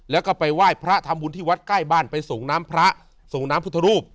แล้วก็ไปไหว้พระทำบุญที่วัดใกล้บ้านไปส่งน้ำพระส่งน้ำพุทธรูป